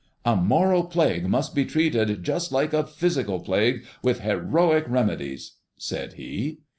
"A moral plague must be treated just like a physical plague, with heroic remedies," said he.